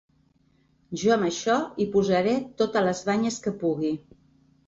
Jo amb això hi posaré totes les banyes que pugui.